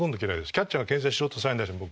キャッチャーがけん制しようとサイン出しても僕断った。